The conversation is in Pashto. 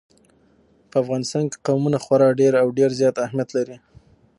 په افغانستان کې قومونه خورا ډېر او ډېر زیات اهمیت لري.